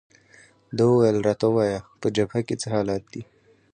ده وویل: راته ووایه، په جبهه کې څه حالات دي؟